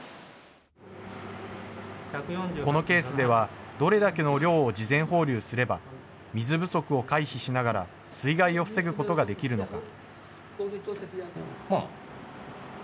このケースでは、どれだけの量を事前放流すれば、水不足を回避しながら水害を防ぐことができるのか。